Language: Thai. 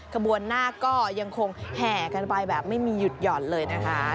ขบวนหน้าก็ยังคงแห่กันไปแบบไม่มีหยุดหย่อนเลยนะคะ